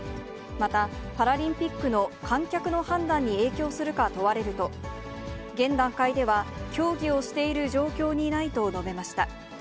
また、パラリンピックの観客の判断に影響するか問われると、現段階では協議をしている状況にないと述べました。